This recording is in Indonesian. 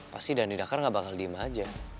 pasti dhani dakar gak bakal diem aja